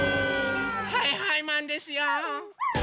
はいはいマンですよ！